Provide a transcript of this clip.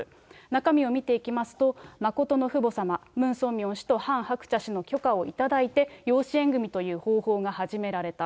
中身を見ていきますと、まことの父母様、ムン・ソンミョン氏とハン・ハクチャ氏の許可をいただいて、養子縁組という方法が始められた。